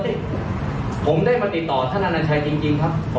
ผมได้มาติดต่อท่านอนัญชัยจริงครับ